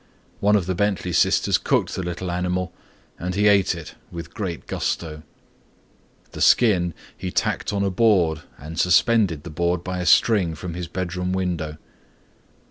One of the Bentley sisters cooked the little animal and he ate it with great gusto. The skin he tacked on a board and suspended the board by a string from his bedroom window.